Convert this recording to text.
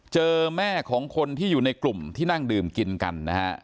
เจอแม่ของคนที่อยู่ในกลุ่มที่นั่งดื่มกินกันนะฮะ